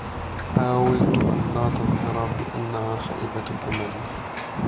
حاولت أن لا تظهر بأنها خائبة الأمل.